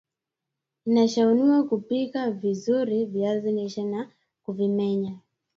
inashauriwa kupika vizuri viazi lishe na kuvimenya